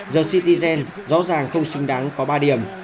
giờ city zen rõ ràng không xinh đáng có ba điểm